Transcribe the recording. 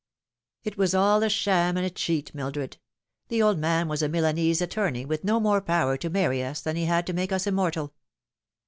" It was all a sham and a cheat, Mildred. The old man was a Milanese attorney, with no more power to marry us than he bad to make us immortal.